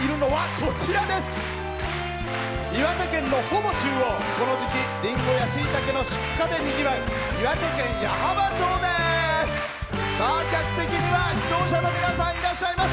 この時期、リンゴやしいたけの出荷でにぎわう岩手県矢巾町です。